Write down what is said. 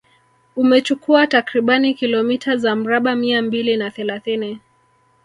Umechukua takribani kilomita za mraba mia mbili na thelathini